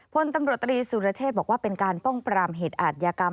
พลตำรวจตรีสุรเชษบอกว่าเป็นการป้องปรามเหตุอาทยากรรม